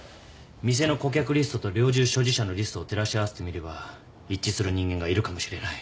店の顧客リストと猟銃所持者のリストを照らし合わせてみれば一致する人間がいるかもしれない。